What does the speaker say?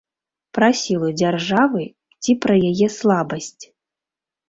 Пра сілу дзяржавы ці пра яе слабасць?